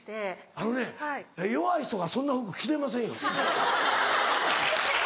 あのね弱い人がそんな服着れませんよ。